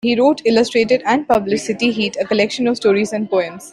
He wrote, illustrated, and published, City Heat, a Collection of Stories and Poems.